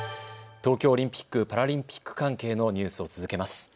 東京オリンピック・パラリンピック関係のニュースを続けます。